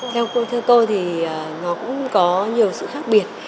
theo tôi thì nó cũng có nhiều sự khác biệt